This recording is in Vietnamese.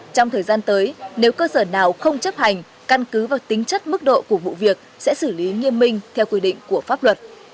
trong thời gian tới nếu cơ sở nào không chấp hành căn cứ vào tính chất mức độ của vụ việc sẽ xử lý nghiêm minh theo quy định của pháp luật